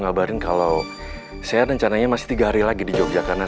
waalaikumsalam warahmatullahi wabarakatuh